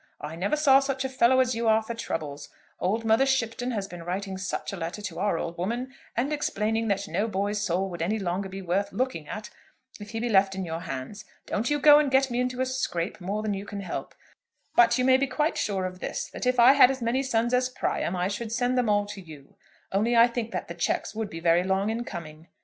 I never saw such a fellow as you are for troubles! Old Mother Shipton has been writing such a letter to our old woman, and explaining that no boy's soul would any longer be worth looking after if he be left in your hands. Don't you go and get me into a scrape more than you can help; but you may be quite sure of this that if I had as many sons as Priam I should send them all to you; only I think that the cheques would be very long in coming.